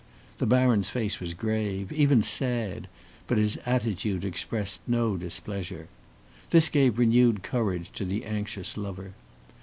The baron's face was grave, even sad; but his attitude expressed no displeasure. This gave renewed courage to the anxious lover.